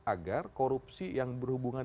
agar korupsi yang diperlukan